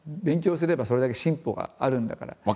勉強すればそれだけ進歩があるんだから。